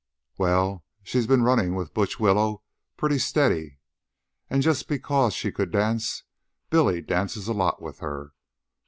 "Well, she'd been runnin' with Butch Willows pretty steady, an' just because she could dance, Billy dances a lot with her.